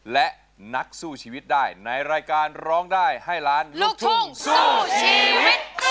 และนักสู้ชีวิตได้ในรายการร้องได้ให้ล้านลูกทุ่งสู้ชีวิต